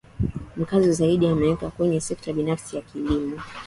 Mkazo zaidi ameweka kwenye sekta binafsi na kilimo